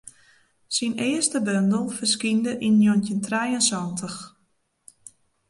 Syn earste bondel ferskynde yn njoggentjin trije en santich.